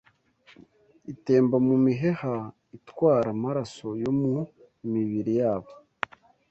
itemba mu miheha itwara amaraso yo mu mibiri yabo?